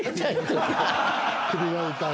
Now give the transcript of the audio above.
首が痛い。